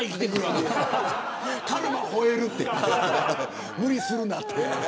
カルマ、ほえるって無理するなと。